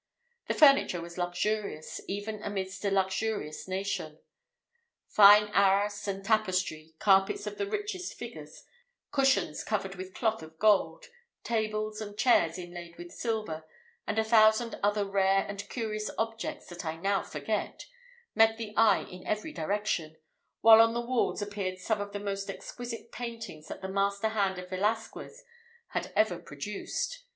The furniture was luxurious, even amidst a luxurious nation. Fine arras and tapestry, carpets of the richest figures, cushions covered with cloth of gold, tables and chairs inlaid with silver, and a thousand other rare and curious objects that I now forget, met the eye in every direction; while on the walls appeared some of the most exquisite paintings that the master hand of Velasquez ever produced.